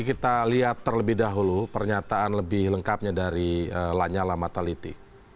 kita lihat terlebih dahulu pernyataan lebih lengkapnya dari lanyala mataliti